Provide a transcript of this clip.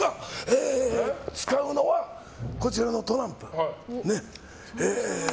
使うのはこちらのトランプ。